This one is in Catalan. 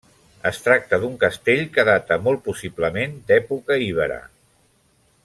Es tracta d'un castell que data molt possiblement d'època ibera.